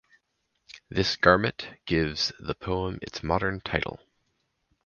This garment gives the poem its modern title.